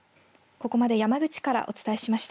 ここまで山口からお伝えしました。